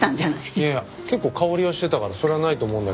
いやいや結構香りはしてたからそれはないと思うんだけど。